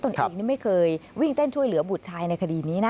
ตัวเองนี่ไม่เคยวิ่งเต้นช่วยเหลือบุตรชายในคดีนี้นะ